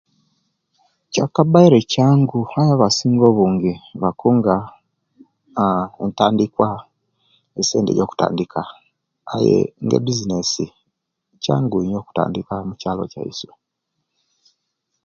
Okutandika ebizinesi mukitundu kyange tikintu kyangu kubanga buli muntu ayinza okutandika okusekerera kubanga ekintu ekyolikola tokibona ku aye kabiri awokifuna awo nga omuntu ayekera kale okufuna ebizinesi mukitundu kyange okutandika tikyangu